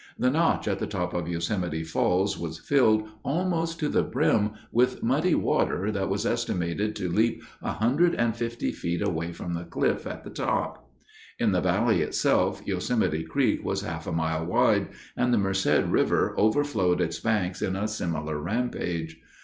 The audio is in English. The notch at the top of Yosemite Falls was filled almost to the brim with muddy water that was estimated to leap 150 feet away from the cliff at the top. In the valley itself Yosemite Creek was half a mile wide, and the Merced River overflowed its banks on a similar rampage.